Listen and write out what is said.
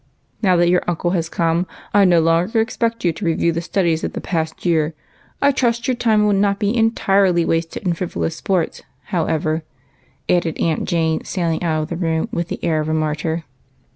" Now that your uncle has come, I no longer expect you to review the studies of the past year. I trust your time will not be entirely wasted in frivolous sports, however," added Aunt Jane, sailing out of the room with the air of a martyr.